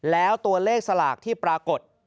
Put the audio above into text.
แล้วตัวเลขสลากที่ปรากฏ